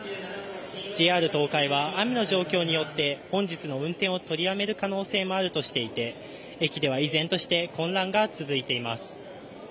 ＪＲ東海は雨の状況によって本日も運転を取りやめる可能性もあるとしていて、駅では依然として混乱が続いています。